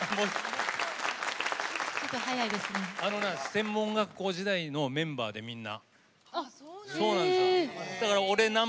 専門学校時代のメンバーで、みんな。